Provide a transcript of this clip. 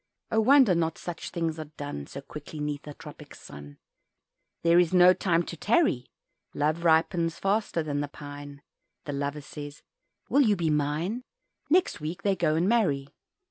Oh! wonder not such things are done So quickly 'neath a tropic sun "There is no time to tarry" Love ripens faster than the pine, The Lover says "Will you be mine?" Next week they go and marry.